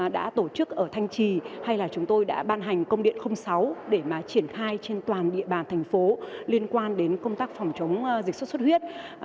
đã tổ chức ở thanh trì hay là chúng tôi đã ban hành công điện sáu để mà triển khai trên toàn địa bàn thành phố liên quan đến công tác phòng chống dịch xuất xuất huyết